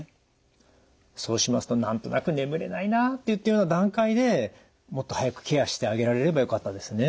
そうしますと何となく眠れないなといったような段階でもっと早くケアしてあげられればよかったですね。